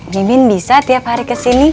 nibin bisa tiap hari kesini